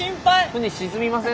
船沈みません？